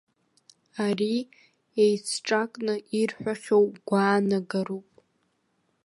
Ари еицҿакны ирҳәахьоу гәаанагароуп.